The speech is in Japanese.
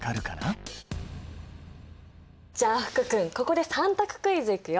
じゃあ福君ここで３択クイズいくよ。